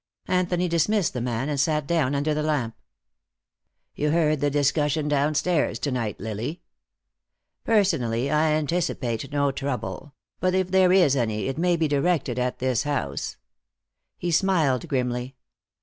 Anthony dismissed the man, and sat down under the lamp. "You heard the discussion downstairs, to night, Lily. Personally I anticipate no trouble, but if there is any it may be directed at this house." He smiled grimly.